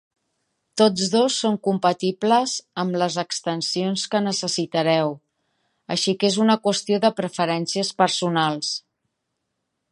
Tots dos són compatibles amb les extensions que necessitareu, així que és una qüestió de preferències personals.